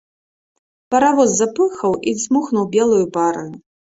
Паравоз запыхкаў і дзьмухнуў белаю параю.